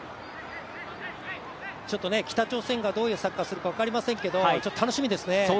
北朝鮮がどういうサッカーをするか分からないですけど楽しみですよね。